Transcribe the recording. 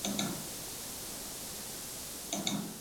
布朗族大多数妇女在怀孕期间有很多禁忌。